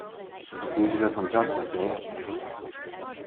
A fugitive from justice, eh?